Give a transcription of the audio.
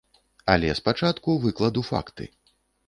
Але спачатку выкладу факты.